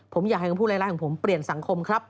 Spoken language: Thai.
ผมอยากให้ผู้รายล่าของผมเปลี่ยนสังคมครับ